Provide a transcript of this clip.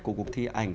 của cuộc thi ảnh